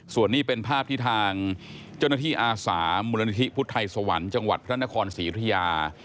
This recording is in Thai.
ส่วนนี้เป็นภาพที่ทางเจ้าหน้าที่อาสามูลนิธิพุทธไทยสวรรค์จังหวัดพระนครศรีอุทยา